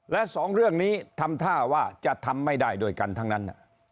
และสองเรื่องนี้ทำท่าว่าจะทำไม่ได้ด้วยกันทั้งนั้น